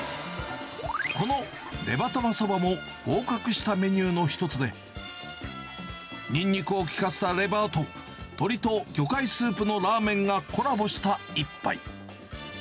このレバ玉蕎麦も、合格したメニューの一つで、ニンニクを効かせたレバーと、鶏と魚介スープのラーメンがコラボした一杯。